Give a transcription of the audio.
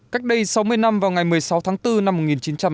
các đại biểu dự kỳ họp đã đánh giá toàn diện hợp tác trên tất cả các lĩnh vực